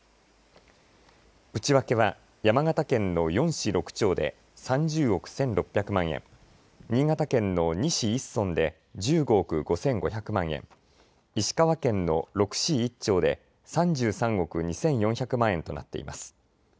内訳は山形県の４市６町で３０億１６００万円、新潟県の２市１村で１５億５５００万円、石川県の６市１町で３３億２４００万円となっています。